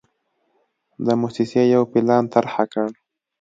د موسسې یو پلان طرحه کړ.